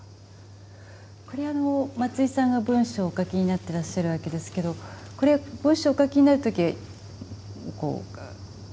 これ松居さんが文章をお書きになってらっしゃるわけですけどこれ文章をお書きになる時こう。